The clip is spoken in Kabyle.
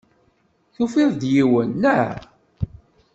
Tufiḍ-d yiwen, naɣ?